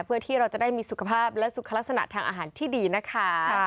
เพื่อที่เราจะได้มีสุขภาพและสุขลักษณะทางอาหารที่ดีนะคะ